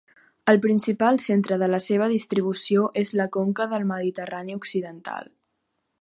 El principal centre de la seva distribució és la conca del Mediterrani occidental.